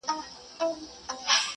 دا پدیدې تصادفي نه دي.